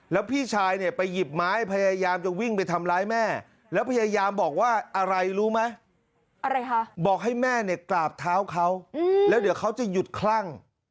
แล้วพี่ชายเนี่ยไปหยิบไม้พยายามจะวิ่งไปทำร้ายแม่แล้วพยายามบอกว่าอะไรรู้ไหมอะไรคะบอกให้แม่เนี่ยกราบเท้าเขาแล้วเดี๋ยวเขาจะหยุดคลั่ง